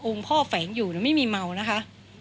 องค์พ่อแฝงอยู่เนี่ยไม่มีเมานะคะ